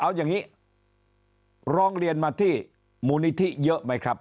เอาอย่างนี้ร้องเรียนมาที่มูลนิธิเยอะไหมครับ